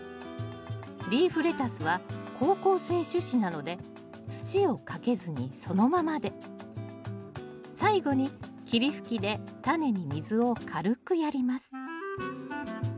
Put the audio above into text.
リーフレタスは好光性種子なので土をかけずにそのままで最後に霧吹きでタネに水を軽くやります